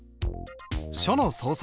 書の創作。